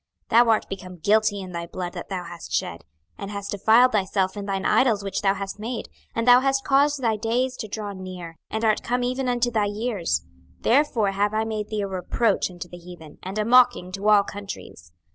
26:022:004 Thou art become guilty in thy blood that thou hast shed; and hast defiled thyself in thine idols which thou hast made; and thou hast caused thy days to draw near, and art come even unto thy years: therefore have I made thee a reproach unto the heathen, and a mocking to all countries.